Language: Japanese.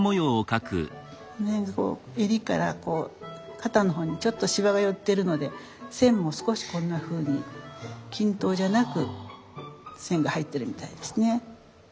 この辺こう襟から肩の方にちょっとしわが寄ってるので線も少しこんなふうに均等じゃなく線が入ってるみたいですね。